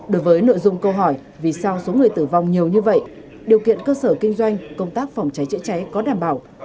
đối với nội dung câu hỏi vì sao số người tử vong nhiều như vậy điều kiện cơ sở kinh doanh công tác phòng cháy chữa cháy có đảm bảo